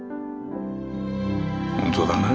本当だな？